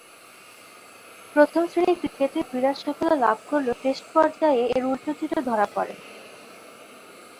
প্রথম-শ্রেণীর ক্রিকেটে বিরাট সাফল্য লাভ করলেও টেস্ট পর্যায়ে এর উল্টো চিত্র ধরা পড়ে।